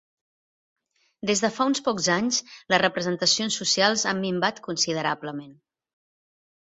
Des de fa uns pocs anys, les representacions socials ha minvat considerablement.